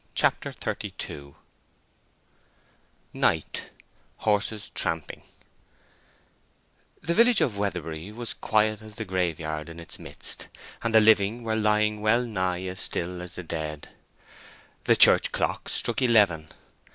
CHAPTER XXXII NIGHT—HORSES TRAMPING The village of Weatherbury was quiet as the graveyard in its midst, and the living were lying well nigh as still as the dead. The church clock struck eleven.